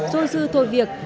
rôi dư thôi việc